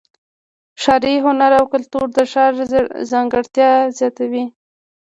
ښاري هنر او کلتور د ښار ځانګړتیا زیاتوي.